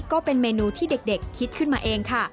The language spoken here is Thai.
ก็เป็นเมนูที่เด็กคิดขึ้นมาเองค่ะ